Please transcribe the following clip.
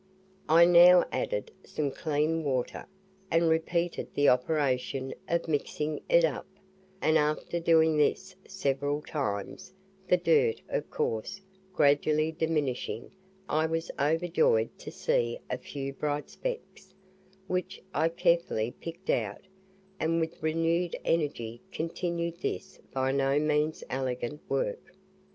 I now added some clean water, and repeated the operation of mixing it up; and after doing this several times, the "dirt," of course, gradually diminishing, I was overjoyed to see a few bright specks, which I carefully picked out, and with renewed energy continued this by no means elegant work.